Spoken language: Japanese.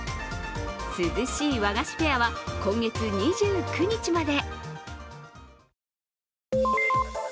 涼しい和菓子フェアは今月２９日まで。